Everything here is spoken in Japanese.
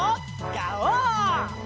ガオー！